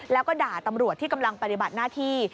แล้วก็ด่าตำรวจที่กำลังปฏิบัติหน้าที่